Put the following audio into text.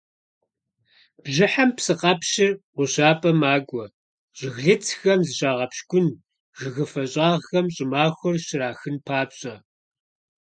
Бжьыхьэм псыкъэпщыр гъущапӀэ макӀуэ, жыглыцхэм зыщагъэпщкӀун, жыгыфэ щӀагъхэм щӀымахуэр щрахын папщӀэ.